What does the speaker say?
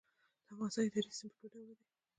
د افغانستان اداري سیسټم په دوه ډوله دی.